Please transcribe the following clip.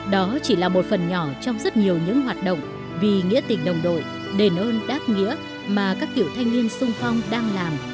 đó chỉ là một phần nhỏ trong rất nhiều những hoạt động vì nghĩa tình đồng đội đền ơn đáp nghĩa mà các kiểu thanh niên sung phong đang làm